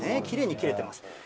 きれいに切れてます。